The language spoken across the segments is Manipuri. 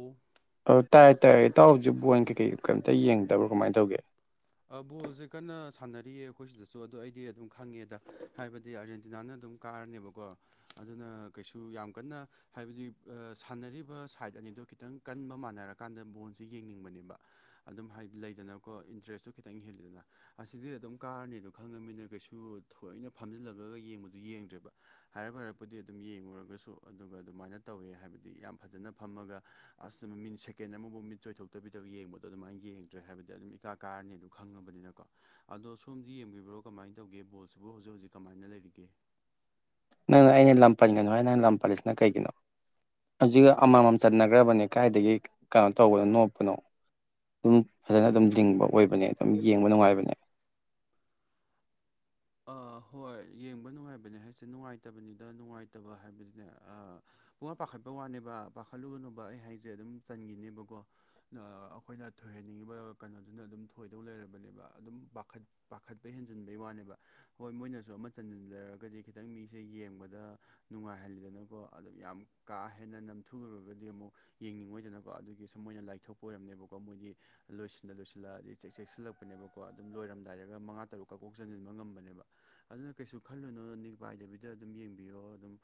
ꯏ ꯑꯣ ꯇꯥꯏꯌꯦ ꯇꯥꯏꯌꯦ ꯏꯇꯥꯎ ꯖꯤ ꯕꯣꯟ ꯀꯩꯀꯩ ꯀꯩꯝꯇ ꯌꯦꯡꯗꯕ꯭ꯔꯥ ꯀꯃꯥꯏ ꯇꯧꯒꯦ꯫ ꯑ ꯕꯣꯜꯖꯦ ꯀꯟꯅ ꯁꯥꯟꯅꯔꯤꯌꯦ ꯑꯈꯣꯏ ꯁꯤꯗꯁꯨ ꯑꯗꯣ ꯑꯩꯗꯤ ꯑꯗꯨꯝ ꯈꯪꯉꯦꯗ ꯍꯥꯏꯕꯗꯤ ꯑꯥꯔꯖꯦꯟꯇꯤꯅꯥꯅ ꯑꯗꯨꯝ ꯀꯥꯔꯅꯦꯕꯀꯣ ꯑꯗꯨꯅ ꯀꯩꯁꯨ ꯌꯥꯝ ꯀꯟꯅ ꯍꯥꯏꯕꯗꯤ ꯑ ꯁꯥꯟꯅꯔꯤꯕ ꯁꯥꯏꯠ ꯑꯅꯤꯗꯣ ꯈꯤꯇꯪ ꯀꯟꯕ ꯃꯥꯟꯅꯔꯀꯥꯟꯗ ꯕꯣꯟꯁꯦ ꯌꯦꯡꯅꯤꯡꯕꯅꯦꯕ ꯑꯗꯨꯝ ꯍꯥꯏꯗꯤ ꯂꯩꯗꯅꯀꯣ ꯏꯟꯇꯔꯦꯁꯇꯨ ꯈꯤꯇꯪ ꯍꯦꯜꯂꯤꯗꯅ ꯑꯁꯤꯗꯤ ꯑꯗꯨꯝ ꯀꯥꯔꯅꯤꯗꯣ ꯈꯪꯉꯃꯤꯅ ꯀꯩꯁꯨ ꯊꯣꯏꯅ ꯐꯝꯖꯤꯜꯂꯒꯒ ꯌꯦꯡꯕꯗꯨ ꯌꯦꯡꯗ꯭ꯔꯦꯕ ꯍꯥꯏꯔꯞ ꯍꯥꯏꯔꯞꯄꯨꯗꯤ ꯑꯗꯨꯝ ꯌꯦꯡꯉꯨꯔꯒꯁꯨ ꯑꯗꯨꯒ ꯑꯗꯨꯃꯥꯏꯅ ꯇꯧꯋꯦ ꯍꯥꯏꯕꯗꯤ ꯌꯥꯝ ꯐꯖꯅ ꯐꯝꯃꯒ ꯑꯁ ꯃꯤꯠ ꯁꯦꯀꯦꯟ ꯑꯃꯐꯥꯎ ꯃꯤꯠ ꯆꯣꯏꯊꯣꯛꯇꯕꯤꯗꯒ ꯌꯦꯡꯕꯗꯣ ꯑꯗꯨꯃꯥꯏꯅ ꯌꯦꯡꯗ꯭ꯔꯦ ꯍꯥꯏꯕꯗꯤ ꯑꯗꯨꯝ ꯏꯀꯥ ꯀꯥꯔꯅꯤ ꯑꯗꯨ ꯈꯪꯉꯕꯅꯤꯅꯀꯣ ꯑꯗꯣ ꯁꯣꯝꯗꯤ ꯌꯦꯡꯕꯤꯕ꯭ꯔꯣ ꯀꯃꯥꯏꯅ ꯇꯧꯒꯦ ꯕꯣꯜꯁꯤꯕꯨ ꯍꯧꯖꯤꯛ ꯍꯧꯖꯤꯛ ꯀꯃꯥꯏꯅ ꯂꯩꯔꯤꯒꯦ ꯅꯪꯅ ꯑꯩꯅ ꯂꯝꯄꯟꯒꯅꯣ ꯍꯥꯏ ꯅꯪ ꯂꯝꯄꯜꯂꯤꯁꯤꯅ ꯀꯩꯒꯤꯅꯣ ꯍꯧꯖꯤꯛꯒ ꯑꯃꯃꯝ ꯆꯠꯟꯅꯈ꯭ꯔꯕꯅꯦ ꯀꯥꯏꯗꯒꯤ ꯀꯩꯅꯣ ꯇꯧꯕꯅꯣ ꯅꯣꯠꯄꯅꯣ ꯑꯗꯨꯝ ꯐꯖꯅ ꯑꯗꯨꯝ ꯂꯤꯡꯕ ꯑꯣꯏꯕꯅꯦ ꯑꯗꯨꯝ ꯌꯦꯡꯕ ꯅꯨꯡꯉꯥꯏꯕꯅꯦ ꯍꯣꯏ ꯌꯦꯡꯕ ꯅꯨꯡꯉꯥꯏꯕꯅꯦ ꯍꯥꯏꯁꯦ ꯅꯨꯡꯉꯥꯏꯇꯕꯅꯤꯗ ꯅꯨꯡꯉꯥꯏꯇꯕ ꯍꯥꯏꯕꯗꯨꯅꯦ ꯄꯨꯨꯡꯄ ꯄꯥꯈꯠꯄꯩ ꯋꯥꯅꯦꯕ ꯄꯥꯈꯠꯂꯨꯒꯅꯨꯕ ꯑꯩ ꯍꯥꯏꯁꯦ ꯑꯗꯨꯝ ꯆꯟꯈꯤꯅꯦꯕꯀꯣ ꯑꯩꯈꯣꯏꯅ ꯊꯣꯏꯍꯟꯅꯤꯡꯉꯤꯕ ꯀꯩꯅꯣꯗꯨꯅ ꯑꯗꯨꯝ ꯊꯣꯏꯗꯧ ꯂꯩꯔꯕꯅꯦꯕ ꯑꯗꯨꯝ ꯄꯥꯈꯠ ꯄꯥꯈꯠꯄ ꯍꯦꯟꯖꯟꯕꯩ ꯋꯥꯅꯦꯕ ꯍꯣꯏ ꯃꯣꯏꯅꯁꯨ ꯑꯃ ꯆꯟꯁꯤꯟꯖꯔꯒꯗꯤ ꯈꯤꯇꯪ ꯃꯤꯁꯦ ꯌꯦꯡꯕꯗ ꯅꯨꯡꯉꯥꯏꯍꯜꯂꯤꯗꯅꯀꯣ ꯑꯗꯨ ꯌꯥꯝ ꯀꯥ ꯍꯦꯟꯅ ꯅꯝꯊꯨꯈꯨꯔꯒꯗꯤ ꯑꯃꯨꯛ ꯌꯦꯡꯅꯤꯡꯉꯣꯏꯗꯅꯀꯣ ꯑꯗꯨꯒꯤ ꯁ ꯃꯣꯏꯅ ꯂꯥꯏꯊꯣꯛꯄ ꯑꯣꯏꯔꯝꯅꯦꯕꯀꯣ ꯃꯣꯏꯒꯤ ꯂꯣꯏꯁꯤꯜꯂ ꯂꯣꯏꯁꯤꯜꯂꯑꯗꯤ ꯆꯦꯛ ꯆꯦꯛꯁꯤꯜꯂꯛꯄꯅꯦꯕꯀꯣ ꯑꯗꯨꯝ ꯂꯣꯏꯔꯝꯗꯥꯏꯔꯒ ꯃꯉꯥ ꯇꯔꯨꯛ ꯀꯛꯀꯣꯛ ꯆꯟꯁꯤꯟꯕ ꯉꯝꯕ ꯅꯦꯕ ꯑꯗꯨꯅ ꯀꯩꯁꯨ ꯈꯜꯂꯨꯅꯨ ꯄꯥꯏꯗꯕꯤꯗ ꯑꯗꯨꯝ ꯌꯦꯡꯕꯤꯌꯣ ꯑꯗꯨꯝ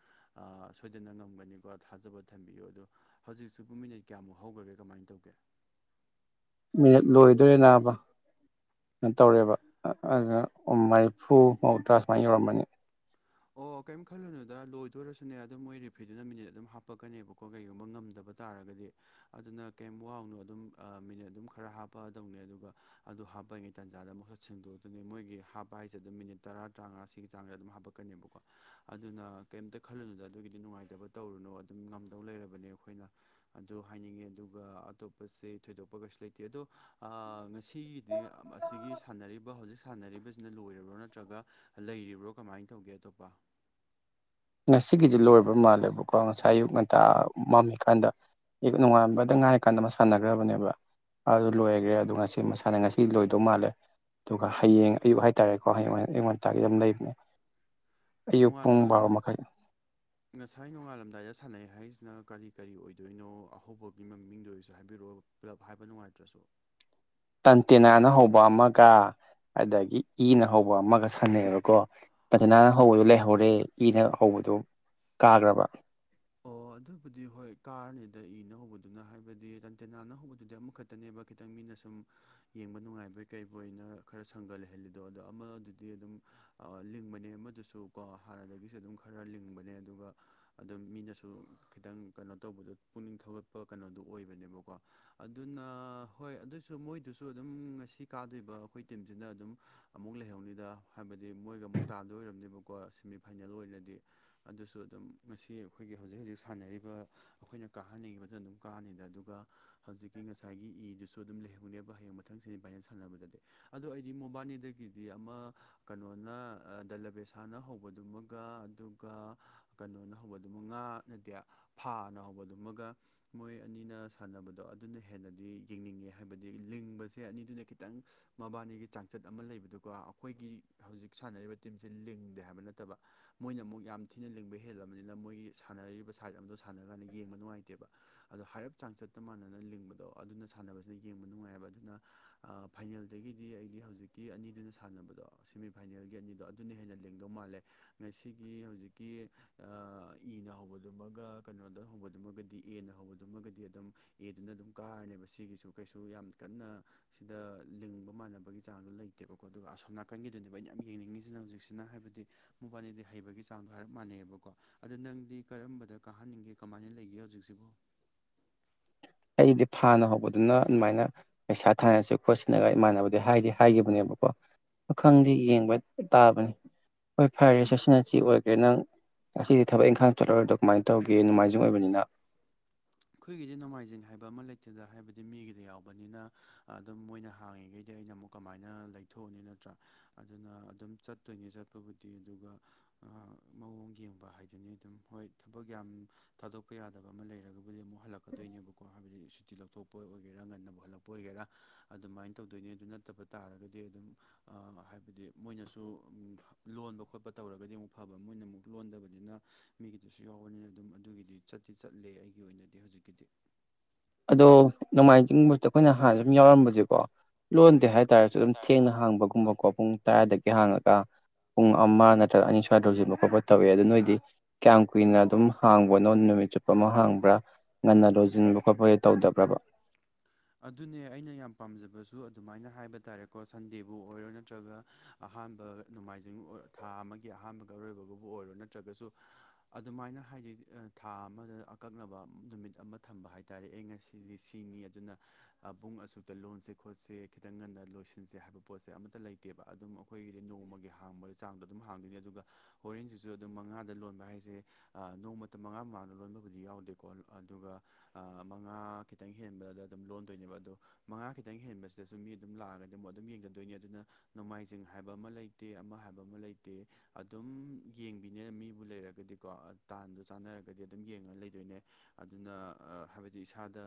ꯁꯣꯏꯗꯅ ꯉꯝꯒꯅꯤꯀꯣ ꯊꯥꯖꯕ ꯊꯝꯕꯤꯌꯨ ꯑꯗꯣ ꯍꯧꯖꯤꯛꯁꯨꯨꯡ ꯃꯤꯅꯠ ꯀꯌꯥꯃꯨꯛ ꯍꯧꯈ꯭ꯔꯒꯦ ꯀꯃꯥꯏꯅ ꯇꯧꯒꯦ ꯃꯤꯅꯠ ꯂꯣꯏꯗꯣꯔꯦ ꯅꯥꯕ ꯇꯧꯔꯦꯕ ꯑꯗꯨꯅ ꯃꯔꯤꯐꯨ ꯃꯧꯗ꯭ꯔꯥ ꯁꯨꯃꯥꯏꯅ ꯌꯧꯔꯝꯕꯅꯤ ꯑꯣꯐ ꯑꯣ ꯀꯔꯤꯝ ꯈꯜꯂꯨꯅꯨꯗ ꯂꯣꯏꯗꯣꯏꯔꯁꯨꯅꯦ ꯑꯗꯨꯝ ꯃꯣꯏ ꯔꯤꯐ꯭ꯔꯤꯗꯨꯅ ꯃꯤꯅꯤꯠ ꯑꯗꯨꯝ ꯍꯥꯞꯄꯛꯀꯅꯦꯕꯀꯣ ꯀꯩꯒꯨꯝꯕ ꯉꯝꯗꯕ ꯇꯥꯔꯒꯗꯤ ꯑꯗꯨꯅ ꯀꯩ ꯋꯥꯎꯅꯣ ꯑꯗꯨꯝ ꯃꯤꯅꯠ ꯑꯗꯨꯝ ꯈꯔ ꯍꯥꯞꯄꯛꯗꯧꯅꯦ ꯑꯗꯨꯒ ꯑꯗꯨ ꯍꯥꯞꯄꯉꯩ ꯇꯥꯟꯖꯥꯗ ꯑꯃꯨꯛꯁꯠ ꯁꯦꯡꯗꯣꯛꯇꯅꯤ ꯃꯣꯏꯒꯤ ꯍꯥꯞꯄ ꯍꯥꯏꯁꯦ ꯑꯗꯨꯝ ꯃꯤꯅꯤꯠ ꯇꯔꯥ ꯇꯔꯥꯃꯉꯥ ꯁꯤꯒꯤ ꯆꯥꯡꯗ ꯑꯗꯨꯝ ꯍꯥꯞꯄꯛ ꯀꯀꯅꯦꯕꯀꯣ ꯑꯗꯨꯅ ꯀꯩꯝꯇ ꯈꯜꯂꯨꯅꯨꯗ ꯑꯗꯨꯒꯤꯗꯤ ꯅꯨꯡꯉꯥꯏꯇꯕ ꯇꯧꯔꯨꯅꯨ ꯑꯗꯨꯝ ꯉꯝꯗꯧ ꯂꯩꯔꯕꯅꯦ ꯑꯩꯈꯣꯏꯅ ꯑꯗꯨ ꯍꯥꯏꯅꯤꯡꯉꯦ ꯑꯗꯨꯒ ꯑꯇꯣꯞꯄꯁꯦ ꯊꯣꯏꯗꯣꯛꯄ ꯀꯩꯁꯨ ꯂꯩꯇꯦ ꯑꯗꯣ ꯉꯁꯤꯒꯤ ꯑꯁꯤꯒꯤ ꯁꯥꯟꯅꯔꯤꯕ ꯍꯧꯖꯤꯛ ꯁꯥꯟꯅꯔꯤꯕꯁꯤꯅ ꯂꯣꯏꯔꯤꯕ꯭ꯔꯣ ꯅꯠꯇ꯭ꯔꯒ ꯂꯩꯔꯤꯕ꯭ꯔꯣ ꯀꯃꯥꯏꯅ ꯇꯧꯒꯦ ꯑꯇꯣꯞꯄ ꯉꯁꯤꯒꯤꯁꯤ ꯂꯣꯏꯔꯕ꯭ꯔ ꯃꯥꯜꯂꯦꯕꯀꯣ ꯉꯁꯥꯏ ꯑꯌꯨꯛ ꯉꯟꯇꯥ ꯃꯝꯃꯤꯀꯥꯟꯗ ꯅꯣꯡꯉꯥꯟꯕꯗ ꯉꯥꯏꯔꯀꯥꯟꯗ ꯑꯃ ꯁꯥꯟꯅꯈ꯭ꯔꯕꯅꯦꯕ ꯑꯗꯨ ꯂꯣꯏꯈ꯭ꯔꯦ ꯑꯗꯣ ꯉꯁꯤ ꯃꯁꯥꯅ ꯉꯁꯤ ꯂꯣꯏꯗꯧ ꯃꯥꯜꯂꯦ ꯑꯗꯨꯒ ꯍꯌꯦꯡ ꯑꯌꯨꯛ ꯍꯥꯏꯇꯥꯔꯦꯀꯣ ꯍꯌꯦꯡ ꯑꯌꯨꯛ ꯉꯟꯇꯥꯗꯤ ꯑꯗꯨꯝ ꯂꯩꯕꯅꯦ ꯑꯌꯨꯛ ꯄꯨꯡ ꯅꯣꯡꯉꯥꯟꯕ ꯕꯥꯔꯣ ꯃꯈꯥꯏ ꯉꯁꯥꯏ ꯅꯣꯡꯉꯥꯜꯂꯝꯗꯥꯏꯗ ꯁꯥꯟꯅꯩ ꯍꯥꯏꯔꯤꯁꯤꯅ ꯀꯔꯤ ꯀꯔꯤ ꯑꯣꯏꯗꯣꯏꯅꯣ ꯑꯍꯧꯕꯒꯤ ꯃꯃꯤꯡꯗ ꯑꯣꯏꯔꯁꯨ ꯍꯥꯏꯕꯤꯔꯛꯑꯣ ꯄꯨꯜꯂꯞ ꯍꯥꯏꯕ ꯅꯨꯡꯉꯥꯏꯇ꯭ꯔꯁꯨ ꯇꯟꯇꯦꯅꯥꯅ ꯍꯧꯕ ꯑꯃꯒ ꯑꯗꯒꯤ ꯏꯅ ꯍꯧꯕ ꯑꯃꯒ ꯁꯥꯟꯅꯩꯑꯕꯀꯣ ꯐꯖꯅꯥꯅ ꯍꯧꯕꯗꯨꯣ ꯂꯩꯍꯧꯔꯦ ꯏꯅ ꯍꯧꯕꯗꯨꯣ ꯀꯥꯈ꯭ꯔꯕ ꯑꯣ ꯑꯗꯨꯕꯨꯗꯤ ꯍꯣꯏ ꯀꯥꯔꯅꯤꯗ ꯏꯅ ꯍꯧꯕꯗꯨꯅ ꯍꯥꯏꯕꯗꯤ ꯔꯟꯇꯦꯅꯥꯅ ꯍꯧꯕꯗꯨꯗꯤ ꯑꯃꯨꯛꯈꯛ ꯈꯛꯇꯅꯦꯕ ꯈꯤꯇꯪ ꯃꯤꯅ ꯁꯨꯝ ꯌꯦꯡꯕ ꯅꯨꯡꯉꯥꯏꯕꯩ ꯀꯩꯕꯨꯩꯅ ꯈꯔ ꯁꯪꯒꯠ ꯂꯩꯍꯜꯂꯤꯗꯣ ꯑꯗꯣ ꯑꯃ ꯑꯗꯨꯗꯤ ꯑꯗꯨꯝ ꯂꯤꯡꯕꯅꯦ ꯑꯃꯗꯨꯁꯨ ꯀꯣ ꯍꯥꯟꯅꯗꯒꯤꯁꯨ ꯑꯗꯨꯝ ꯈꯔ ꯂꯤꯡꯕꯅꯦ ꯑꯗꯨꯒ ꯑꯗꯨꯝ ꯃꯤꯅ ꯁꯨ ꯈꯤꯇꯪ ꯀꯩꯅꯣ ꯇꯧꯕꯗꯣ ꯄꯨꯛꯅꯤꯡ ꯊꯧꯒꯠꯄ ꯀꯩꯅꯣꯗꯨ ꯑꯣꯏꯕꯅꯦꯕꯀꯣ ꯑꯗꯨꯅ ꯍꯣꯏ ꯑꯗꯨꯁꯨ ꯃꯣꯏꯗꯨꯁꯨ ꯑꯗꯨꯝ ꯉꯁꯤ ꯀꯥꯗꯣꯏꯕ ꯑꯩꯈꯣꯏ ꯇꯤꯝꯁꯤꯅ ꯑꯗꯨꯝ ꯑꯃꯨꯛ ꯂꯩꯍꯧꯅꯤꯗ ꯍꯥꯏꯕꯗꯤ ꯃꯣꯏꯒ ꯑꯃꯨꯛ ꯇꯥꯗꯣꯏꯔꯝꯅꯦꯕꯀꯣ ꯁꯦꯃꯤꯐꯥꯏꯅꯦꯜ ꯑꯣꯏꯅꯗꯤ ꯑꯗꯨꯁꯨ ꯑꯗꯨꯝ ꯉꯁꯤ ꯑꯩꯈꯣꯏꯒꯤ ꯍꯧꯖꯤꯛ ꯍꯧꯖꯤꯛ ꯁꯥꯟꯅꯔꯤꯕ ꯑꯩꯈꯣꯏꯅ ꯀꯥꯍꯟꯅꯤꯡꯉꯤꯕꯗ ꯑꯗꯨꯝ ꯀꯥꯅꯤꯩꯗ ꯑꯗꯨꯒ ꯍꯧꯖꯤꯛꯀꯤ ꯉꯁꯥꯏꯒꯤ ꯏꯗꯨꯁꯨ ꯑꯗꯨꯝ ꯂꯩꯍꯧꯅꯦꯕ ꯍꯌꯦꯡ ꯃꯊꯪꯁꯤ ꯏꯚꯥꯏꯖꯟ ꯁꯥꯟꯅꯕꯗꯗꯤ ꯑꯗ ꯑꯩꯗꯤ ꯃꯣꯕꯥꯅꯤꯗꯒꯤꯗꯤ ꯑꯃ ꯀꯩꯅꯣꯅ ꯗꯂꯕꯦꯁꯥꯅ ꯍꯧꯕꯗꯨꯃꯒ ꯑꯗꯨ ꯀꯩꯅꯣꯅ ꯍꯧꯕꯗꯨꯃ ꯉꯥ ꯅꯗꯦ ꯐꯥꯅ ꯍꯧꯕꯗꯨꯃꯒ ꯃꯣꯏ ꯑꯅꯤꯅ ꯁꯥꯟꯅꯕꯗꯣ ꯑꯗꯨꯅ ꯍꯦꯟꯅꯗꯤ ꯌꯦꯡꯅꯤꯡꯉꯦ ꯍꯥꯏꯕꯗꯤ ꯂꯤꯡꯕꯁꯦ ꯑꯅꯤꯗꯨꯅ ꯈꯤꯇꯪ ꯃꯕꯥꯅꯤꯒꯤ ꯆꯥꯡꯆꯠ ꯑꯃ ꯂꯩꯕꯗꯨꯀꯣ ꯑꯩꯈꯣꯏꯒꯤ ꯍꯧꯖꯤꯛ ꯁꯥꯟꯅꯔꯤꯕ ꯇꯤꯝꯁꯤꯦ ꯂꯤꯡꯗꯦ ꯍꯥꯏꯕ ꯅꯠꯇꯕ ꯃꯣꯏꯅ ꯑꯃꯨꯛ ꯌꯥꯝ ꯊꯤꯅ ꯂꯤꯡꯕ ꯍꯦꯜꯂꯕꯅꯤꯅ ꯃꯣꯏꯒꯤ ꯁꯥꯟꯅꯔꯤꯕ ꯁꯥꯏꯠ ꯑꯗꯣ ꯁꯥꯟꯅꯔ ꯀꯥꯟꯗ ꯌꯦꯡꯕ ꯅꯨꯡꯉꯥꯏꯇꯦꯕ ꯑꯗꯣ ꯍꯥꯏꯔꯞ ꯆꯥꯡ ꯆꯠꯇ ꯃꯥꯟꯅꯅ ꯂꯤꯡꯕꯗꯣ ꯑꯗꯨꯅ ꯁꯥꯟꯅꯕꯁꯤꯅ ꯌꯦꯡꯕ ꯅꯨꯡꯉꯥꯏꯑꯕ ꯑꯗꯨꯅ ꯐꯥꯏꯅꯦꯜꯗꯒꯤꯗꯤ ꯑꯩꯗꯤ ꯍꯧꯖꯤꯛꯀꯤ ꯑꯅꯤꯗꯨꯅ ꯁꯥꯟꯅꯕꯗꯣ ꯁꯦꯃꯤꯐꯥꯏꯅꯦꯜꯒꯤ ꯑꯅꯤꯗꯣ ꯑꯗꯨꯅ ꯍꯦꯟꯅ ꯂꯦꯡꯗꯧ ꯃꯥꯜꯂꯦ ꯃꯁꯤꯒꯤ ꯍꯧꯖꯤꯛꯀꯤ ꯏꯅ ꯍꯧꯕꯗꯨꯃꯒ ꯀꯩꯅꯣꯗ ꯍꯧꯕꯗꯨꯃꯒꯗꯤ ꯑꯦꯅ ꯍꯧꯕꯗꯨꯃꯒꯗꯤ ꯑꯗꯨꯝ ꯑꯦꯗꯨꯅ ꯑꯗꯨꯝ ꯀꯥꯔꯅꯦꯕ ꯁꯤꯒꯤꯁꯨ ꯀꯩꯁꯨ ꯌꯥꯝ ꯀꯟꯅ ꯁꯤꯗ ꯂꯤꯡꯕ ꯃꯥꯟꯅꯕꯒꯤ ꯆꯥꯡꯗꯨꯣ ꯂꯩꯇꯦꯕꯀꯣ ꯑꯗꯨꯒ ꯑꯁꯣꯝ ꯅꯥꯀꯟꯒꯤꯗꯨꯅꯦꯕ ꯑꯩꯅ ꯌꯥꯝ ꯌꯦꯡꯅꯤꯡꯉꯤꯁꯤꯅ ꯍꯧꯖꯤꯛꯁꯤꯅ ꯍꯥꯏꯕꯗꯤ ꯃꯕꯥꯅꯤꯗꯤ ꯍꯩꯕꯒꯤ ꯆꯥꯡꯗꯣ ꯍꯥꯏꯞꯥꯟꯅꯩꯕ ꯀꯣ ꯑꯗ ꯅꯪꯗꯤ ꯀꯔꯝꯕꯗ ꯀꯥꯍꯟꯅꯤꯡꯒꯦ ꯀꯃꯥꯏꯅ ꯂꯩꯒꯦ ꯍꯧꯖꯤꯛꯁꯤꯕꯨ ꯑꯩꯗꯤ ꯐꯥꯅ ꯍꯧꯕꯗꯨꯅ ꯑꯗꯨꯃꯥꯏꯅ ꯄꯩꯁꯥ ꯊꯥꯅꯁꯨ ꯈꯣꯠꯁꯤꯟꯅꯒ ꯏꯃꯥꯟꯅꯕꯗꯤ ꯍꯥꯏꯗꯤ ꯍꯥꯏꯈꯤꯕꯅꯦꯕꯀꯣ ꯄꯈꯪꯗꯦ ꯌꯦꯡꯕ ꯇꯥꯕꯅꯤ ꯍꯣꯏ ꯐꯔꯦ ꯁꯁꯤꯅꯁꯤ ꯑꯣꯏꯈ꯭ꯔꯦ ꯅꯪ ꯉꯁꯤꯗꯤ ꯊꯕꯛ ꯏꯪꯈꯥꯡ ꯆꯠꯂꯨꯔꯒꯗꯣ ꯀꯃꯥꯏꯅ ꯇꯧꯒꯦ ꯅꯣꯡꯃꯥꯏꯖꯤꯡ ꯑꯣꯏꯕꯅ ꯑꯩꯈꯣꯏꯒꯤꯗꯤ ꯅꯣꯡꯃꯥꯏꯖꯤꯡ ꯍꯥꯏꯕ ꯑꯃ ꯂꯩꯇꯦꯗ ꯍꯥꯏꯕꯗꯤ ꯃꯤꯒꯤꯗꯤ ꯌꯥꯎꯕꯅꯤꯅ ꯑꯗꯨꯝ ꯃꯣꯏꯅ ꯍꯥꯡꯉꯤꯈꯩꯗꯤ ꯑꯩꯅ ꯑꯃꯨꯛ ꯀꯃꯥꯏꯅ ꯂꯩꯊꯣꯛꯑꯅꯤ ꯅꯠꯇ꯭ꯔꯥ ꯑꯗꯨꯅ ꯑꯗꯨꯝ ꯆꯠꯇꯣꯏꯅꯦ ꯆꯠꯄꯕꯨꯗꯤ ꯑꯗꯨꯒ ꯃꯑꯣꯡ ꯌꯦꯡꯕ ꯍꯥꯏꯗꯨꯅꯤ ꯑꯗꯨꯝ ꯍꯣꯏ ꯊꯕꯛ ꯌꯥꯝ ꯊꯥꯗꯣꯛꯄ ꯌꯥꯗꯕ ꯑꯃ ꯂꯩꯔꯒ ꯍꯥꯏꯕꯗꯤ ꯑꯃꯨꯛ ꯍꯜꯂꯛꯀꯗꯣꯏꯅꯦꯕꯀꯣ ꯍꯥꯏꯕꯗꯤ ꯇꯤ ꯂꯧꯊꯣꯛꯄ ꯑꯣꯏꯒꯦꯔꯥ ꯉꯟꯅ ꯍꯜꯂꯛꯄ ꯑꯣꯏꯒꯦꯔꯥ ꯑꯗꯨꯃꯥꯏꯅ ꯇꯧꯗꯣꯏꯅꯤ ꯑꯗꯨ ꯅꯠꯇꯕ ꯇꯥꯔꯒꯗꯤ ꯑꯗꯨꯝ ꯍꯥꯏꯕꯗꯤ ꯃꯣꯏꯅꯁꯨ ꯂꯣꯟꯕ ꯈꯣꯠꯄ ꯇꯧꯔꯒꯗꯤ ꯑꯃꯨꯛ ꯐꯕ ꯃꯣꯏꯅ ꯑꯃꯨꯛ ꯂꯣꯟꯗꯕꯅꯤꯅ ꯃꯤꯒꯤꯗꯨꯁꯨ ꯌꯥꯎꯕꯅꯤꯅ ꯑꯗꯨꯝ ꯑꯗꯨꯒꯤꯗꯤ ꯆꯠꯇꯤ ꯆꯠꯂꯦ ꯑꯩꯒꯤ ꯑꯣꯏꯅꯗꯤ ꯍꯧꯖꯤꯛꯀꯤꯗꯤ ꯑꯗꯣ ꯅꯣꯡꯃꯥꯏꯖꯤꯡꯗ ꯑꯩꯈꯣꯏꯅ ꯍꯥꯟꯅ ꯁꯨꯝ ꯌꯥꯎꯔꯝꯕꯁꯦꯀꯣ ꯂꯣꯟꯗꯦ ꯍꯥꯏꯦ ꯇꯥꯔꯁꯨ ꯑꯗꯨꯝ ꯍꯥꯏꯇꯥꯔꯁꯨ ꯊꯦꯡꯅ ꯍꯥꯡꯕꯒꯨꯝꯕꯀꯣ ꯍꯥꯡꯕ ꯄꯨꯡ ꯇꯔꯥꯗꯒꯤ ꯍꯥꯡꯉꯒ ꯄꯨꯡ ꯑꯃ ꯅꯠꯇ꯭ꯔꯒ ꯑꯅꯤ ꯁ꯭ꯋꯥꯏꯗ ꯍꯧꯖꯤꯟꯕ ꯈꯣꯠꯄ ꯇꯧꯋꯏꯦ ꯑꯗꯨ ꯅꯣꯏꯗꯤ ꯀꯌꯥꯝ ꯀꯨꯏꯅ ꯑꯗꯨꯝ ꯍꯥꯡꯕꯅꯣ ꯅꯨꯃꯤꯠ ꯆꯨꯞꯄ ꯑꯃ ꯍꯥꯡꯕ꯭ꯔꯥ ꯉꯟꯅ ꯂꯣꯏꯁꯤꯟꯕ ꯈꯣꯠꯄꯒꯩ ꯇꯧꯗꯕ꯭ꯔꯕ [unintelligible] ꯑꯗꯨꯅꯦ ꯑꯩꯅ ꯌꯥꯝ ꯄꯥꯝꯖꯕꯁꯨ ꯑꯗꯨꯃꯥꯏꯅ ꯍꯥꯏꯕ ꯇꯥꯔꯦꯀꯣ ꯁꯟꯗꯦꯕꯨ ꯑꯣꯏꯔꯣ ꯅꯠꯇ꯭ꯔꯒ ꯑꯍꯥꯟꯕ ꯅꯣꯡꯃꯥꯏꯖꯤꯡ ꯑꯣꯏ ꯊꯥ ꯑꯃꯒꯤ ꯑꯍꯥꯟꯕꯒ ꯑꯔꯣꯏꯕꯒꯕꯨ ꯑꯣꯏꯔꯣ ꯅꯠꯇ꯭ꯔꯒꯁꯨ ꯑꯗꯨꯃꯥꯏꯅ ꯍꯥꯏꯗꯤ ꯊꯥ ꯑꯃꯗ ꯑꯀꯛꯅꯕ ꯅꯨꯃꯤꯠ ꯑꯃ ꯊꯝꯕ ꯍꯥꯏ ꯇꯥꯔꯦ ꯑꯩ ꯉꯁꯤ ꯁꯤꯗꯤ ꯁꯤꯅꯤ ꯑꯗꯨꯅ ꯄꯕꯨꯡ ꯑꯁꯨꯛꯇ ꯂꯣꯟꯁꯦ ꯈꯣꯠꯁꯦ ꯈꯤꯇꯪ ꯉꯟꯅ ꯂꯣꯏꯁꯤꯟꯁꯦ ꯍꯥꯏꯕ ꯄꯣꯠꯁꯦ ꯑꯃꯠꯇ ꯂꯩ ꯅꯠꯇꯦꯕ ꯑꯗꯨꯝ ꯑꯩꯈꯣꯏꯗꯤ ꯅꯣꯡꯃꯒꯤ ꯍꯥꯡꯕꯒꯤ ꯆꯥꯡꯗꯣ ꯑꯗꯨꯝ ꯍꯥꯡꯗꯣꯏꯅꯤ ꯑꯗꯨꯒ ꯍꯣꯔꯦꯟꯁꯤꯁꯨ ꯑꯗꯨꯝ ꯃꯉꯥꯗ ꯂꯣꯟꯕ ꯍꯥꯏꯁꯦ ꯅꯣꯡꯃ ꯃꯇꯝ ꯃꯉꯥ ꯃꯉꯥ ꯂꯣꯟꯕꯕꯨꯗꯤ ꯌꯥꯎꯗꯦꯀꯣ ꯑꯗꯨꯒ ꯃꯉꯥ ꯈꯤꯇꯪ ꯍꯦꯟꯕꯗ ꯑꯗꯨꯝ ꯂꯣꯟꯗꯣꯏꯅꯦꯕ ꯑꯗꯣ ꯃꯉꯥ ꯈꯤꯇꯪ ꯍꯦꯟꯕꯁꯤꯗꯁꯨ ꯃꯤ ꯑꯗꯨꯝ ꯂꯥꯛꯑꯒꯗꯤ ꯑꯃꯨꯛ ꯑꯗꯨꯝ ꯌꯦꯡꯖꯗꯣꯏꯅꯤ ꯑꯗꯨꯅ ꯅꯣꯡꯃꯥꯏꯖꯤꯡ ꯍꯥꯏꯕ ꯑꯃ ꯂꯩꯇꯦ ꯑꯃ ꯍꯥꯏꯕ ꯑꯃ ꯂꯩꯇꯦ ꯑꯗꯨꯝ ꯌꯦꯡꯕꯤꯅꯦ ꯃꯤꯕꯨ ꯂꯩꯔꯒꯗꯤ ꯀꯣ ꯇꯥꯟꯗꯣ ꯆꯥꯟꯅꯔꯒꯗꯤ ꯑꯗꯨꯝ ꯌꯦꯡꯉ ꯂꯩꯗꯣꯏꯅꯦ ꯑꯗꯨꯅ ꯍꯥꯏꯕꯗꯤ ꯏꯁꯥꯗ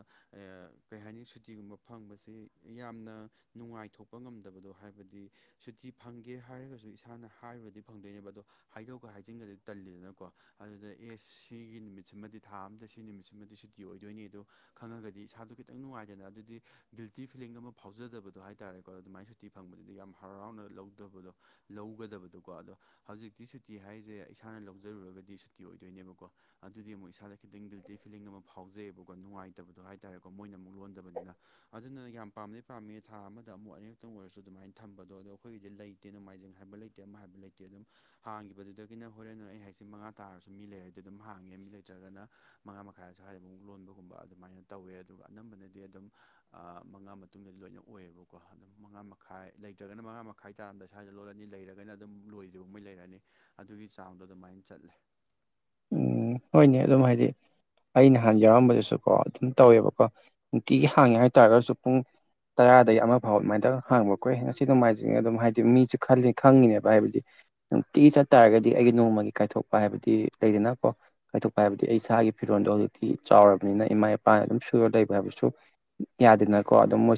ꯀꯩ ꯍꯥꯏꯅꯤ ꯁꯨꯇꯤꯒꯨꯝꯕ ꯐꯪꯕꯁꯤꯦ ꯌꯥꯝꯅ ꯅꯨꯡꯉꯥꯏꯊꯣꯛꯄ ꯉꯝꯗꯕꯗꯣ ꯍꯥꯏꯕꯗꯤ ꯁꯨꯇꯤ ꯐꯪꯒꯦ ꯍꯥꯏꯔꯒꯁꯨ ꯏꯁꯥꯅ ꯍꯥꯏꯔꯨꯨꯔꯗꯤ ꯐꯪꯗꯣꯏꯅꯦꯕ ꯑꯗꯣ ꯍꯥꯏꯗꯣꯛꯒ ꯍꯥꯏꯖꯤꯟꯒꯗꯤ ꯇꯜꯂꯤꯗꯅꯀꯣ ꯑꯗꯨꯗ ꯑꯦ ꯁꯤꯒꯤ ꯅꯨꯃꯤꯠꯁꯤꯃꯗꯤ ꯊꯥ ꯑꯝꯗ ꯁꯤ ꯅꯨꯃꯤꯠꯁꯤꯃꯗꯤ ꯁꯨꯇꯤ ꯑꯣꯏꯗꯣꯏꯅꯤ ꯑꯗꯣ ꯈꯪꯉꯒꯗꯤ ꯏꯁꯥꯗꯣ ꯈꯤꯇꯪ ꯅꯨꯡꯉꯥꯏꯗꯅ ꯑꯗꯨꯗꯤ ꯕꯤꯜꯇꯤ ꯐꯤꯂꯤꯡ ꯑꯃ ꯐꯥꯎꯖꯗꯕꯗꯣ ꯍꯥꯏꯇꯥꯔꯦꯀꯣ ꯑꯗꯨꯃꯥꯏꯅꯁꯨ ꯇꯤ ꯐꯪꯕꯗꯨꯗꯤ ꯌꯥꯝ ꯍꯔꯥꯎꯅ ꯂꯧꯗꯕꯗꯣ ꯂꯧꯒꯗꯕꯗꯣꯀꯣ ꯑꯗꯣ ꯍꯧꯖꯤꯛꯇꯤ ꯁꯨꯇꯤ ꯍꯥꯏꯁꯦ ꯏꯁꯥꯅ ꯂꯧꯖꯔꯨꯔꯒꯗꯤ ꯁꯨꯇꯤ ꯑꯣꯏꯗꯣꯏꯅꯦꯕꯀꯣ ꯑꯗꯨꯗꯤ ꯑꯃꯨꯛ ꯏꯁꯥꯗ ꯈꯤꯇꯪ ꯒꯤꯜꯇꯤ ꯐꯤꯂꯤꯡ ꯑꯃ ꯐꯥꯎꯖꯩꯑꯕꯀꯣ ꯅꯨꯡꯉꯥꯏꯇꯦ ꯂꯩꯇꯕꯗꯣ ꯍꯥꯏꯇꯥꯥꯔꯦꯀꯣ ꯃꯣꯏꯅ ꯑꯃꯨꯛ ꯂꯣꯟꯗꯕꯅꯤꯅ ꯑꯗꯨꯅ ꯌꯥꯝ ꯄꯥꯝꯅ ꯄꯥꯝꯃꯤ ꯊꯥ ꯑꯃꯗ ꯑꯃꯨꯛ ꯑꯅꯤꯛ ꯑꯗꯨꯇ ꯑꯣꯏꯔꯁꯨ ꯑꯗꯨꯃꯥꯏꯅ ꯊꯝꯕꯗꯣ ꯑꯗꯣ ꯑꯩꯈꯣꯏꯒꯤꯗꯤ ꯂꯩꯇꯦ ꯅꯣꯡꯃꯥꯏꯖꯤꯡ ꯍꯥꯏꯕ ꯂꯩꯇꯦ ꯑꯃ ꯍꯥꯏꯕ ꯂꯩꯇꯦ ꯑꯗꯨꯝ ꯍꯥꯡꯈꯤꯕꯗꯨꯗꯒꯤꯅ ꯍꯣꯔꯦꯟ ꯑꯩ ꯍꯥꯏꯁꯤ ꯃꯉꯥ ꯇꯥꯔꯁꯨ ꯃꯤ ꯂꯩꯔꯗꯤ ꯑꯗꯨꯝ ꯍꯥꯡꯉꯦ ꯃꯤ ꯂꯩꯇ꯭ꯔꯒꯅ ꯃꯉꯥ ꯃꯈꯥꯏ ꯑ ꯁ ꯍꯥꯏꯕ ꯑꯃꯨꯛ ꯂꯣꯟꯕꯒꯨꯝꯕ ꯑꯗꯨ ꯑꯗꯨꯃꯥꯏꯅ ꯇꯧꯋꯦ ꯑꯗꯨꯒ ꯑꯅꯝꯕꯅꯗꯤ ꯑꯗꯨꯝ ꯃꯉꯥ ꯃꯇꯨꯡꯗ ꯂꯣꯏꯅ ꯑꯣꯏꯌꯦꯕꯀꯣ ꯑꯗꯨꯝ ꯃꯉꯥ ꯈꯥꯏ ꯂꯩꯇ꯭ꯔꯒꯅ ꯃꯉꯥ ꯃꯈꯥꯏ ꯇꯥꯔꯝꯗ ꯁ꯭ꯏꯗ ꯂꯣꯜꯂꯅꯤ ꯂꯩꯔꯒꯅ ꯑꯗꯨꯝ ꯂꯣꯏꯗ꯭ꯔꯤꯕꯉꯩ ꯂꯩꯔꯛꯑꯅꯤ ꯑꯗꯨꯒꯤ ꯆꯥꯡꯗꯣ ꯑꯗꯨꯃꯥꯏꯅ ꯆꯠꯂꯦ ꯎꯝ ꯍꯣꯏꯅꯦ ꯑꯗꯨꯝ ꯍꯥꯏꯗꯤ ꯑꯩ ꯅꯍꯥꯟ ꯌꯥꯎꯔꯝꯕꯗꯁꯨ ꯀꯣ ꯑꯗꯨꯝ ꯇꯧꯋꯦꯕꯀꯣ ꯅꯨꯡꯇꯤꯒꯤ ꯍꯥꯡꯉꯦ ꯍꯥꯏꯇꯥꯔꯒꯁꯨ ꯄꯨꯡ ꯇꯔꯥꯗꯒꯤ ꯑꯃ ꯐꯥꯎꯕ ꯑꯗꯨꯃꯥꯏꯅꯪ ꯍꯥꯡꯕꯀꯣꯏ ꯉꯁꯤ ꯑꯗꯨꯉꯥꯏꯁꯤ ꯑꯗꯨꯝ ꯍꯥꯏꯗꯤ ꯃꯤꯁꯨ ꯈꯜꯂꯤ ꯈꯪꯉꯤꯅꯦꯕ ꯍꯥꯏꯕꯗꯤ ꯅꯨꯡꯇꯤꯒꯤ ꯆꯠꯇꯥꯥꯔꯒꯗꯤ ꯑꯩꯒꯤ ꯅꯣꯡꯃꯒꯤ ꯀꯥꯏꯊꯣꯛꯄ ꯍꯥꯏꯕꯗꯤ ꯂꯩꯗꯅ ꯀ ꯀꯥꯏꯊꯣꯛꯄ ꯍꯥꯏꯕꯗꯤ ꯑꯩ ꯏꯁꯥꯒꯤ ꯐꯤꯔꯣꯜꯗꯣ ꯍꯧꯖꯤꯛꯇꯤ ꯆꯥꯎꯔꯕꯅꯤꯅ ꯏꯃꯥ ꯏꯄꯥꯅ ꯑꯗꯨꯝ ꯁꯨꯔꯨꯔ ꯂꯩꯕ ꯍꯥꯏꯕꯁꯨ ꯌꯥꯗꯅꯀꯣ ꯑꯗꯨꯝꯣꯏ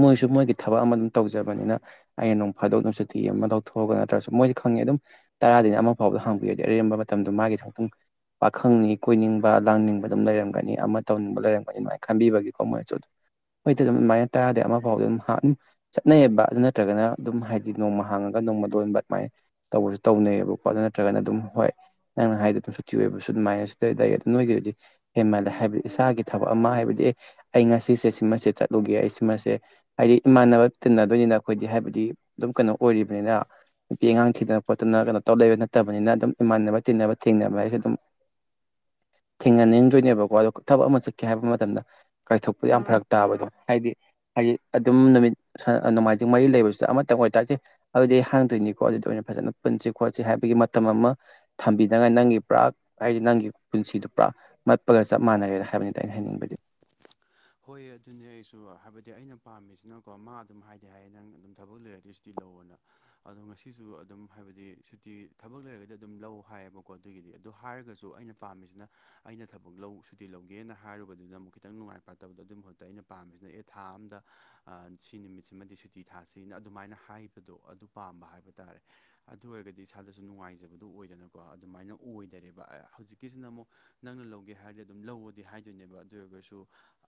ꯃꯣꯏꯁꯨ ꯃꯣꯏꯒꯤ ꯊꯕꯛ ꯑꯃ ꯑꯗꯨꯝ ꯇꯧꯖꯕꯅꯤꯅ ꯑꯩꯅ ꯅꯣꯡ ꯐꯥꯗꯣꯛꯗ ꯆꯤꯇꯤ ꯑꯃ ꯂꯧꯊꯣꯛꯑꯒ ꯅꯠꯇ꯭ꯔꯁꯨ ꯃꯣꯏꯗꯤ ꯈꯪꯉꯦ ꯑꯗꯨꯝ ꯇꯔꯥꯗꯒꯤꯅ ꯑꯃ ꯐꯥꯎꯕ ꯍꯪꯕꯤꯔꯗꯤ ꯑꯔꯦꯝꯕ ꯃꯇꯝꯗꯣ ꯃꯥꯒꯤ ꯊꯨꯡ ꯄꯥꯈꯪꯅꯤ ꯀꯣꯏꯅꯤꯡꯕ ꯂꯥꯡꯅꯤꯡꯕ ꯑꯗꯨꯝ ꯂꯩꯔꯝꯒꯅꯤ ꯑꯃ ꯇꯧꯅꯤꯡꯕ ꯂꯩꯔꯝꯒꯅꯤ ꯑꯗꯨꯃꯥꯏꯅ ꯈꯟꯕꯤꯕꯒꯤꯀꯣ ꯃꯔꯣꯏꯁꯨ ꯑꯗꯨꯝ ꯍꯣꯏ ꯑꯗꯨꯝ ꯑꯗꯨꯃꯥꯏꯅ ꯇꯔꯥꯗ ꯑꯃ ꯐꯥꯎꯗ ꯑꯗꯨꯝ ꯆꯠꯅꯩꯌꯦꯕ ꯑꯗꯨ ꯅꯠꯇ꯭ꯔꯒꯅ ꯑꯗꯨꯝ ꯍꯥꯏꯗꯤ ꯅꯣꯡꯃ ꯍꯥꯡꯉꯒ ꯅꯣꯡꯃꯗꯣꯟꯕ ꯑꯗꯨꯃꯥꯏꯅ ꯇꯧꯕꯁꯨ ꯇꯧꯅꯩꯌꯦꯕꯀꯣ ꯑꯗꯨ ꯅꯠꯇ꯭ꯔꯒꯅ ꯑꯗꯨꯝ ꯍꯣꯏ ꯅꯪꯅ ꯍꯥꯏ ꯑꯗꯨꯝ ꯁꯨꯇꯤ ꯑꯣꯏꯕꯁꯨ ꯑꯗꯨꯃꯥꯏꯅ ꯁꯤꯗꯏ ꯑꯗꯨ ꯅꯣꯏꯒꯤꯗꯨꯗꯤ ꯍꯦꯟ ꯃꯥꯜꯂꯦ ꯍꯥꯏꯕꯗꯤ ꯏꯁꯥꯒꯤ ꯊꯕꯛ ꯑꯃ ꯍꯥꯏꯕꯗꯤ ꯑꯦ ꯑꯩ ꯉꯁꯤꯁꯦ ꯁꯤꯃꯁꯦ ꯆꯠꯂꯨꯒꯦ ꯑꯩ ꯁꯤꯃꯁꯦ ꯍꯥꯏꯗꯤ ꯏꯃꯥꯟꯅꯕ ꯇꯤꯟꯅꯗꯣꯏꯅꯤꯅ ꯑꯩꯈꯣꯏꯗꯤ ꯍꯥꯏꯕꯗꯤ ꯑꯗꯨꯝ ꯀꯩꯅꯣ ꯑꯣꯏꯔꯤꯕꯅꯤꯅ ꯅꯨꯄꯤ ꯑꯉꯥꯡ ꯊꯤꯗꯅ ꯈꯣꯠꯇꯅ ꯀꯩꯅꯣ ꯇꯧ ꯂꯩꯕ ꯅꯠꯇꯕꯅꯤꯅ ꯑꯗꯨꯝ ꯏꯃꯥꯟꯅꯕ ꯇꯤꯟꯅꯕ ꯊꯦꯡꯅꯕ ꯍꯥꯏꯁꯦ ꯑꯗꯨꯝ ꯊꯦꯡꯅꯅꯤꯡꯗꯣꯏꯅꯦꯕꯀꯣ ꯑꯗꯣ ꯊꯕꯛ ꯑꯃ ꯆꯠꯀꯦ ꯍꯥꯏꯕ ꯃꯇꯝꯗ ꯀꯥꯏꯊꯣꯛꯄꯗ ꯌꯥꯝ ꯐꯔꯛ ꯇꯥꯕꯗꯣ ꯍꯥꯏꯗꯤ ꯍꯥꯏꯗꯤ ꯑꯗꯨꯝ ꯅꯨꯃꯤꯠ ꯅꯣꯡꯃꯥꯏꯖꯤꯡ ꯃꯔꯤ ꯂꯩꯕꯁꯤꯗ ꯑꯃꯇꯪ ꯑꯣꯏꯇꯥꯔꯁꯦ ꯑꯗꯨꯗꯤ ꯑꯩ ꯍꯥꯡꯗꯣꯏꯅꯤꯀꯣ ꯑꯗꯨꯗ ꯑꯣꯏꯅ ꯐꯖꯅ ꯄꯨꯟꯁꯤ ꯈꯣꯠꯁꯤ ꯍꯥꯏꯕꯒꯤ ꯃꯇꯝ ꯑꯃ ꯊꯝꯕꯤ ꯅꯪ ꯅꯪꯒꯤ ꯄꯨꯔꯥ ꯍꯥꯏꯗꯤ ꯅꯪꯒꯤ ꯄꯨꯟꯁꯤꯗꯨ ꯄꯨꯔꯥ ꯃꯠꯄꯒ ꯆꯞ ꯃꯥꯟꯅꯔꯦꯅ ꯍꯥꯏꯕꯅꯤꯗ ꯑꯩꯅ ꯍꯥꯏꯅꯤꯡꯕꯗꯤ ꯍꯣꯏ ꯑꯗꯨꯅꯦ ꯑꯩꯁꯨ ꯍꯥꯏꯕꯗꯤ ꯑꯩꯅ ꯄꯥꯝꯃꯤꯁꯤꯅꯀꯣ ꯃꯥ ꯑꯗꯨꯝ ꯍꯥꯏꯗꯤ ꯍꯥꯏꯌꯦ ꯅꯪ ꯑꯗꯨꯝ ꯊꯕꯛ ꯂꯩꯔ ꯑꯗꯨ ꯁꯨꯇꯤ ꯂꯧ ꯑꯅ ꯑꯗꯣ ꯉꯁꯤꯁꯨ ꯑꯗꯨꯝ ꯍꯥꯏꯕꯗꯤ ꯁꯨꯇꯤ ꯊꯕꯛ ꯂꯩꯔꯒꯗꯤ ꯑꯗꯨꯝ ꯂꯧ ꯍꯥꯏꯌꯦꯕꯀꯣ ꯑꯗꯨꯒꯤꯗꯤ ꯑꯗꯣ ꯍꯥꯏꯔꯒꯁꯨ ꯑꯩꯅ ꯄꯥꯝꯃꯤꯁꯤꯅ ꯑꯩꯅ ꯊꯕꯛ ꯂꯧ ꯁꯨꯇꯤ ꯂꯧꯒꯦꯅ ꯍꯥꯏꯔꯨꯕꯗꯨꯅ ꯑꯃꯨꯛ ꯈꯤꯇꯪ ꯅꯨꯡꯉꯥꯏ ꯠꯇꯕꯗ ꯑꯗꯨꯒꯤ ꯃꯍꯨꯠꯇ ꯑꯩꯅ ꯄꯥꯝꯃꯤꯁꯤꯅ ꯑꯦ ꯊꯥ ꯑꯝꯗ ꯁꯤ ꯅꯨꯃꯤꯠꯁꯤꯃꯗꯤ ꯁꯨꯇꯤ ꯊꯥꯁꯤꯅ ꯑꯗꯨꯃꯥꯏꯅ ꯍꯥꯏꯕ ꯑꯗꯨꯗꯣ ꯑꯗꯨ ꯄꯥꯝꯕ ꯍꯥꯏꯕ ꯇꯥꯔꯦ ꯑꯗꯨ ꯑꯣꯏꯔꯒꯗꯤ ꯏꯁꯥꯗꯁꯨ ꯅꯨꯡꯉꯥꯏꯖꯕꯗꯨ ꯑꯣꯏꯗꯅꯀꯣ ꯑꯗꯨꯃꯥꯏꯅ ꯑꯣꯏꯗꯔꯦꯕ ꯍꯧꯖꯤꯛꯀꯤꯁꯤꯅ ꯑꯃꯨꯛ ꯅꯪꯅ ꯂꯧꯒꯦ ꯍꯥꯏꯔꯗꯤ ꯑꯗꯨꯝ ꯂꯧꯑꯣꯗꯤ ꯍꯥꯏꯗꯣꯏꯅꯦꯕ ꯑꯗꯨ ꯑꯣꯏꯔꯒꯁꯨ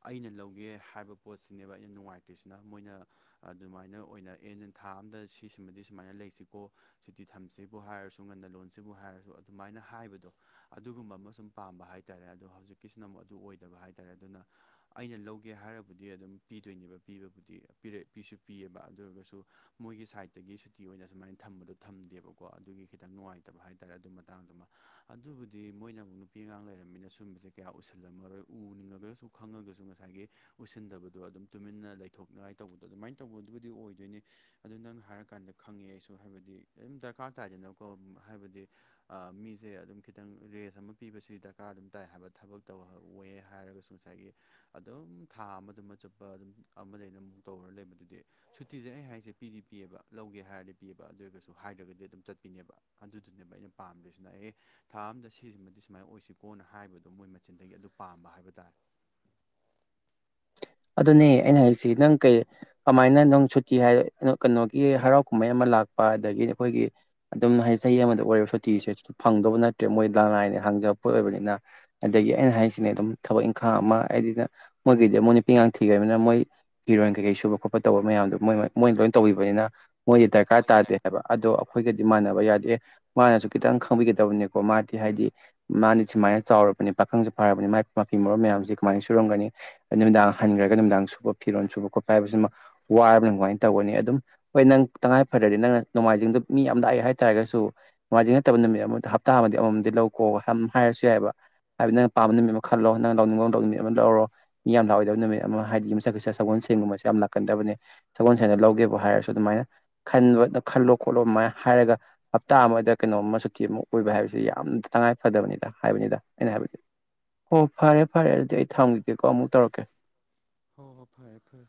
ꯑꯩꯅ ꯂꯧꯒꯦ ꯍꯥꯏꯕ ꯄꯣꯠꯁꯤꯅꯦꯕ ꯌꯥꯝ ꯅꯨꯡꯉꯥꯏꯇ꯭ꯔꯤꯁꯤꯅ ꯃꯣꯏꯅ ꯑꯗꯨꯃꯥꯏꯅ ꯑꯣꯏꯅ ꯑꯦ ꯊꯥ ꯑꯝꯗ ꯁꯤꯁꯤꯃꯗꯤ ꯁꯨꯃꯥꯏꯅ ꯂꯩꯁꯤꯀꯣ ꯆꯤꯇꯤ ꯊꯝꯁꯤꯕꯨ ꯍꯥꯏꯔꯁꯨ ꯉꯟꯟꯅ ꯂꯣꯟꯁꯤꯕꯨ ꯍꯥꯏꯔꯁꯨ ꯑꯗꯨꯃꯥꯏꯅ ꯍꯥꯏꯕꯗꯣ ꯑꯗꯨꯒꯨꯝꯕ ꯑꯃ ꯁꯨꯝ ꯄꯥꯝꯕ ꯍꯥꯏꯇꯥꯥꯔꯦ ꯑꯗꯣ ꯍꯧꯖꯤꯛꯀꯤꯁꯤꯅ ꯑꯃꯨꯛ ꯑꯗꯨ ꯑꯣꯏꯗꯕ ꯍꯥꯏ ꯇꯥꯔꯦ ꯑꯗꯨꯅ ꯑꯩꯅ ꯂꯧꯒꯦ ꯍꯥꯏꯔꯕꯨꯗꯤ ꯑꯗꯨꯝ ꯄꯤꯗꯣꯏꯅꯦꯕ ꯄꯤꯕꯕꯨꯗꯤ ꯄꯤꯁꯨ ꯄꯤꯑꯕ ꯑꯗꯨ ꯑꯣꯏꯔꯒꯁꯨ ꯃꯣꯏꯒꯤ ꯁꯥꯏꯗꯠꯇꯒꯤ ꯁꯨꯇꯤ ꯑꯣꯏꯅ ꯁꯨꯃꯥꯏꯅ ꯊꯝꯕꯗꯣ ꯊꯝꯗꯦꯕꯀꯣ ꯑꯗꯨꯒꯤ ꯈꯤꯇꯪ ꯅꯨꯡꯉꯥꯏꯇꯕ ꯍꯥꯏꯇꯥꯔꯦ ꯑꯗꯨ ꯃꯇꯥꯡꯗꯨꯃ ꯑꯗꯨꯕꯨꯗꯤ ꯃꯣꯏꯅ ꯑꯃꯨꯛ ꯅꯨꯄꯤ ꯑꯉꯥꯡ ꯂꯩꯔꯝꯃꯤꯅ ꯁꯨꯝꯕꯁꯦ ꯀꯌꯥ ꯎꯁꯜꯂꯝꯃꯔꯣꯏ ꯎꯅꯤꯡꯉꯒꯁꯨ ꯈꯪꯉꯒꯁꯨ ꯁꯨ ꯉꯁꯥꯏꯒꯤ ꯎꯏꯁꯤꯟꯗꯕꯗꯣ ꯑꯗꯨꯝ ꯇꯨꯃꯤꯟꯅ ꯂꯩꯊꯣꯛꯅꯉꯥꯏ ꯇꯧꯕꯗꯣ ꯑꯗꯨꯃꯥꯏꯅ ꯇꯧꯕꯗꯨꯕꯨꯗꯤ ꯑꯣꯏꯗꯣꯏꯅꯤ ꯑꯗꯨ ꯅꯪ ꯍꯥꯏꯔꯀꯥꯟꯗ ꯈꯪꯉꯦ ꯑꯩꯁꯨ ꯍꯥꯏꯕꯗꯤ ꯑꯗꯨꯝ ꯗꯔꯀꯥꯔ ꯇꯥꯏꯗꯅꯀꯣ ꯍꯥꯏꯕꯗꯤ ꯑꯥ ꯃꯤꯁꯦ ꯑꯗꯨꯝ ꯈꯤꯇꯪ ꯔꯦꯁ ꯑꯃ ꯄꯤꯕꯁꯤ ꯗꯔꯀꯥꯔ ꯑꯗꯨꯝ ꯇꯥꯏ ꯍꯥꯏꯕ ꯊꯕꯛ ꯇꯧꯍꯋꯦ ꯍꯥꯏꯔꯒꯁꯨ ꯑꯥꯏꯒꯤ ꯑꯗꯨꯝ ꯊꯥ ꯑꯃꯗꯨꯃ ꯆꯨꯞꯄ ꯑꯗꯨ ꯑꯃꯗꯒ ꯑꯃꯨꯛ ꯇꯧꯔꯒ ꯂꯩꯕꯗꯨꯗꯤ ꯁꯨꯇꯤꯁꯦ ꯑꯩ ꯍꯥꯏꯁꯦ ꯄꯤꯒꯤ ꯄꯤꯑꯦꯕ ꯂꯧꯒꯦ ꯍꯥꯏꯔꯗꯤ ꯄꯤꯑꯦꯕ ꯑꯗꯨꯒꯁꯨ ꯍꯥꯏꯗ꯭ꯔꯒꯗꯤ ꯑꯗꯨꯝ ꯆꯠꯄꯤꯅꯦꯕ ꯑꯗꯨꯗꯨꯅꯦꯕ ꯑꯩꯅ ꯄꯥꯝꯗ꯭ꯔꯤꯁꯤꯅ ꯑꯦ ꯊꯥ ꯑꯝꯗ ꯁꯤꯁꯤꯃꯗꯤ ꯁꯨꯃꯥꯏꯅ ꯑꯣꯏꯁꯤꯀꯣꯅ ꯍꯥꯏꯕꯗꯣ ꯃꯣꯏ ꯃꯆꯤꯟꯗꯒꯤ ꯑꯗꯨ ꯄꯥꯝꯕ ꯍꯥꯏꯕ ꯇꯥꯔꯦ ꯑꯗꯨꯅꯦ ꯑꯩꯅ ꯍꯥꯏꯁꯤ ꯅꯪ ꯀꯩ ꯑꯃꯥꯏꯅ ꯅꯪ ꯁꯨꯇꯤ ꯍꯥꯏ ꯀꯩꯅꯣꯒꯤ ꯍꯔꯥꯎ ꯀꯨꯝꯍꯩ ꯑꯃ ꯂꯥꯛꯄ ꯑꯗꯒꯤ ꯑꯩꯈꯣꯏꯒꯤ ꯑꯗꯨꯝ ꯍꯥꯏ ꯆꯍꯤ ꯑꯃꯗ ꯑꯣꯏꯔ ꯁꯨꯇꯤꯁꯦ ꯐꯪꯗꯕ ꯅꯠꯇ꯭ꯔꯦ ꯃꯣꯏ ꯂꯅꯥꯥꯏꯅꯦ ꯍꯥꯡꯖꯕꯄꯣꯠ ꯑꯣꯏꯕꯅꯤꯅ ꯑꯗꯒꯤ ꯑꯩꯅ ꯍꯥꯏꯁꯤꯅꯦ ꯑꯗꯨꯝ ꯊꯕꯛ ꯏꯪꯈꯥꯡ ꯑꯃ ꯍꯥꯏꯗꯤꯅ ꯃꯣꯏꯒꯤꯗꯤ ꯃꯣꯏꯅ ꯄꯤꯉꯥꯡ ꯊꯤꯒ꯭ꯔꯕꯅ ꯃꯣꯏ ꯍꯤꯔꯣꯏꯟ ꯀꯩꯀꯩ ꯁꯨꯕ ꯈꯣꯠꯄ ꯇꯧꯕ ꯃꯌꯥꯝꯗꯣ ꯃꯣꯏ ꯃꯣꯏꯅ ꯂꯣꯏ ꯇꯧꯕꯤꯕꯅꯤꯅ ꯃꯣꯏꯗꯤ ꯗꯔꯀꯥꯔ ꯃꯣꯏꯒꯤ ꯇꯥꯗꯦ ꯍꯥꯏꯕ ꯑꯗꯣ ꯂꯩꯇꯦ ꯍꯥꯏꯕ ꯑꯩꯈꯣꯏꯒꯗꯤ ꯃꯥꯟꯅꯕ ꯌꯥꯗꯦ ꯑꯦ ꯃꯥꯅꯁꯨ ꯈꯤꯇꯪ ꯈꯪꯕꯤꯒꯗꯕꯅꯤꯀꯣ ꯃꯥꯗꯤ ꯍꯥꯏꯗꯤ ꯃꯥꯗꯤ ꯁꯨꯃꯥꯏꯅ ꯆꯥꯎꯔꯕꯅꯤ ꯄꯥꯈꯪꯁꯨ ꯐꯔꯕꯅꯤ ꯃꯥꯏ ꯃꯐꯤ ꯃꯔꯣꯟ ꯃꯌꯥꯝꯁꯦ ꯀꯃꯥꯏꯅ ꯁꯨꯔꯝꯒꯅꯤ ꯅꯨꯃꯤꯗꯥꯡ ꯍꯟꯒ꯭ꯔꯒ ꯅꯨꯝꯗꯥꯡ ꯁꯨꯕ ꯐꯤꯔꯣꯜ ꯁꯨꯕ ꯈꯣꯠꯄ ꯍꯥꯏꯕꯁꯤꯃ ꯋꯥꯔꯕꯅ ꯑꯗꯨꯃꯥꯏꯅ ꯇꯧꯒꯅꯤ ꯑꯗꯨꯝ ꯍꯣꯏ ꯅꯪ ꯇꯉꯥꯏ ꯐꯗ꯭ꯔꯗꯤ ꯅꯪꯅ ꯅꯣꯡꯃꯥꯏꯖꯤꯡꯗꯨ ꯃꯤ ꯌꯥꯝ ꯂꯥꯛꯑꯦ ꯍꯥꯏꯇꯥꯔꯒꯁꯨ ꯃꯥꯏꯖꯤꯡ ꯅꯠꯇꯕ ꯅꯨꯃꯤꯠ ꯑꯃꯗ ꯍꯞꯇꯥ ꯑꯃꯗꯤ ꯑꯃꯃꯝꯗꯤ ꯂꯧꯀꯣ ꯍꯥꯏꯝ ꯍꯥꯏꯔꯁꯨ ꯌꯥꯏꯕ ꯍꯥꯏꯕꯗꯤ ꯅꯪ ꯄꯥꯝꯕ ꯅꯨꯃꯤꯠ ꯑꯃ ꯈꯜꯂꯣ ꯅꯪ ꯂꯧꯅꯤꯡꯕ [unintelligible] ꯅꯨꯃꯤꯠ ꯑꯃ ꯂꯧꯔꯣ ꯃꯤ ꯌꯥꯝ ꯂꯥꯛꯑꯣ ꯅꯨꯃꯤꯠ ꯑꯃ ꯍꯥꯏꯗꯤ ꯌꯨꯝꯁꯥꯀꯩꯁꯥ ꯁꯒꯣꯜ ꯁꯦꯟꯒꯨꯝꯕꯁꯦ ꯌꯥꯝ ꯂꯥꯛꯀꯟꯗꯕꯅꯤ ꯁꯒꯣꯜ ꯁꯅ ꯂꯧꯒꯦꯕꯨ ꯍꯥꯏꯔꯁꯨ ꯑꯗꯨꯃꯥꯏꯅ ꯈꯟꯕꯗ ꯈꯜꯂꯣ ꯈꯣꯠꯂꯣ ꯑꯃꯥꯏ ꯍꯥꯏꯔꯒ ꯍꯞꯇꯥ ꯑꯃꯗ ꯀꯩꯅꯣꯃ ꯁꯨꯇꯤ ꯑꯃ ꯑꯣꯏꯕ ꯍꯥꯏꯕꯁꯤ ꯌꯥꯝꯅ ꯇꯉꯥꯏꯐꯗꯕꯅꯤꯗ ꯍꯥꯏꯕꯅꯤꯗ ꯑꯩꯅ ꯍꯥꯏꯕꯗꯤ ꯍꯣ ꯐꯔꯦ ꯐꯔꯦ ꯑꯗꯣꯏ ꯊꯝꯒꯤꯒꯦꯀꯣ ꯑꯃꯨꯛ ꯇꯧꯔꯛꯀꯦ ꯍꯣ ꯍꯣ ꯐꯔꯦ ꯐꯔꯦ